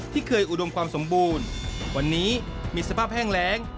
ที่เคยอุดมความสมบูรณ์วันนี้มีสภาพแห้งแรง